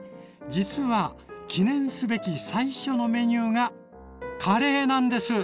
実は記念すべき最初のメニューがカレーなんです！